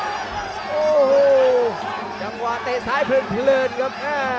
โอ้โหยังว่าเตะซ้ายเพื่อนเพื่อนครับ